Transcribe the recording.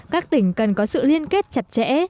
các tỉnh cần có sự liên kết chặt chẽ